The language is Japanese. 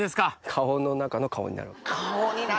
顔の中の顔になります。